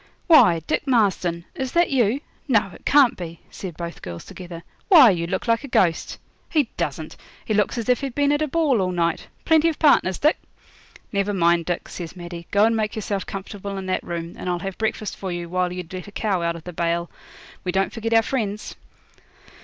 'Why, Dick Marston, is that you? No, it can't be,' said both girls together. 'Why, you look like a ghost. He doesn't; he looks as if he'd been at a ball all night. Plenty of partners, Dick?' 'Never mind, Dick,' says Maddie; 'go and make yourself comfortable in that room, and I'll have breakfast for you while you'd let a cow out of the bail. We don't forget our friends.'